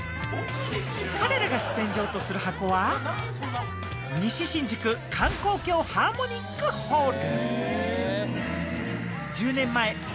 彼らが主戦場とするハコは、西新宿・関こうきょうハーモニックホール。